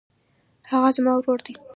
هغه زما ورور دی.